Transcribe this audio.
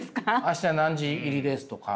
「明日何時入りです」とか。